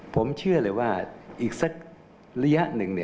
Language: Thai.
ผมเชื่อเลยว่าอีกสักระยะหนึ่ง